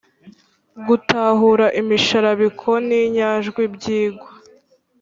-gutahura imisharabiko n’inyajwi byigwa